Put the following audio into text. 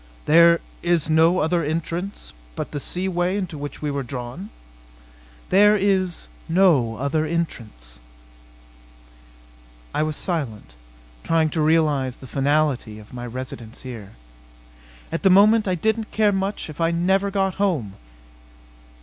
"There is no other entrance but the sea way into which we were drawn?" "There is no other entrance." I was silent, trying to realize the finality of my residence here. At the moment I didn't care much if I never got home!